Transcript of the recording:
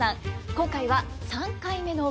今回は３回目のお稽古